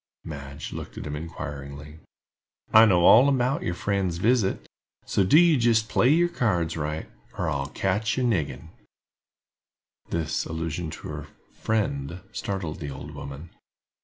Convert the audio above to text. Madge looked at him inquiringly. "I know all about your friend's visit; so do you jist play your cards right, or I'll catch ye niggin." This allusion to her "friend" startled the old woman.